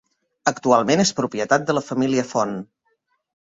Actualment és propietat de la família Font.